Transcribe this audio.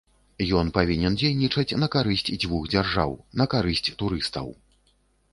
Ён павінен дзейнічаць на карысць дзвюх дзяржаў, на карысць турыстаў.